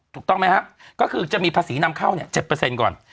ถูกต้องไหมฮะก็คือจะมีภาษีนำเข้า๗ก่อน